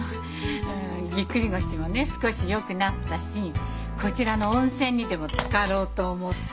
ギックリ腰もね少しよくなったしこちらの温泉にでもつかろうと思って。